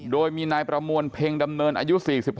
โดยมีนายประมวลเพ็งดำเนินอายุ๔๖